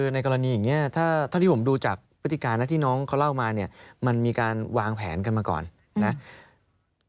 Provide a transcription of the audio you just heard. ในกรณีอย่างนี้เท่าที่ผมดูจากพฤติการนะที่น้องเขาเล่ามาเนี่ยมันมีการวางแผนกันมาก่อนนะ